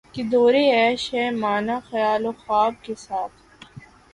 کہ دورِ عیش ہے مانا خیال و خواب کے ساتھ